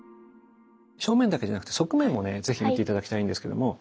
正面だけじゃなくて側面もね是非見て頂きたいんですけども。